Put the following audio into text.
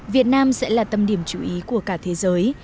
việt nam sẽ là tâm điểm chú ý của cả thế giới